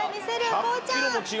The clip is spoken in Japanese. こうちゃん！